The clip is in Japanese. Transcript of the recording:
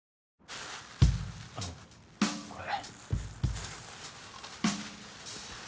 あのこれ。